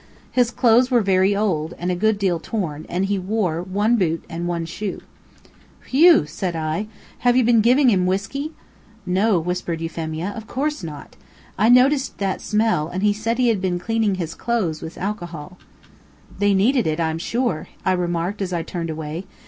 His clothes were very old, and a good deal torn, and he wore one boot and one shoe. "Whew!" said I. "Have you been giving him whisky?" "No," whispered Euphemia, "of course not. I noticed that smell, and he said he had been cleaning his clothes with alcohol." "They needed it, I'm sure," I remarked as I turned away.